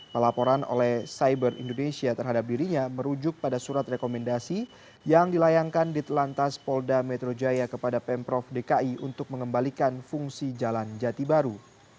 pelaporan oleh cyber indonesia terhadap dirinya merujuk pada surat rekomendasi yang dilayangkan di telantas polda metro jaya kepada pemprov dki untuk mengembalikan fungsi jalan jati baru